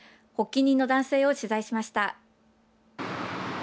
発起人の男性を取材しました。